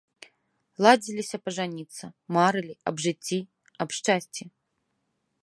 Ладзіліся пажаніцца, марылі аб жыцці, аб шчасці.